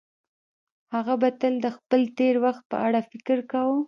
هغه به تل د خپل تېر وخت په اړه فکر کاوه.